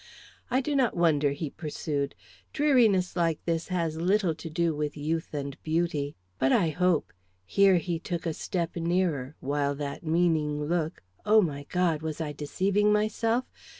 "I do not wonder," he pursued. "Dreariness like this has little to do with youth and beauty. But I hope" here he took a step nearer, while that meaning look oh, my God! was I deceiving myself?